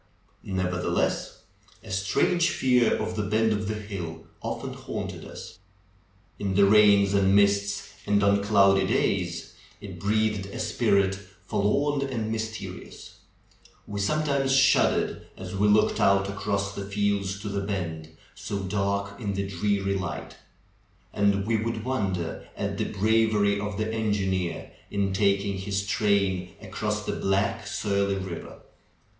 Never theless, a strange fear of the bend of the hill often haunted us. In the rains and mists and on cloudy days it breathed a spirit forlorn and mysterious. We sometimes shud dered, as we looked out across the flelds to the bend, so dark in tlie dreary light. And we would wonder at the bravery of the engineer in taking his train across the black, surly river.